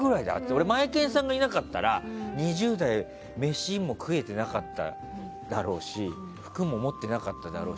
俺、マエケンさんがいなかったら２０代飯も食えてなかっただろうし服も持ってなかっただろう